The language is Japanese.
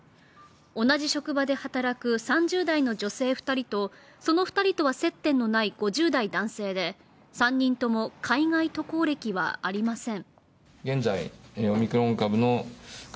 同じ職場で働く３０代の女性２人とその２人とは接点のない５０代男性で、３人とも海外渡航歴はありません。